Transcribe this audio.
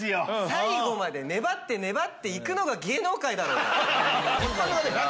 最後まで粘って粘って行くのが芸能界だろうが！